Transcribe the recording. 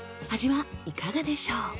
味はいかがでしょう？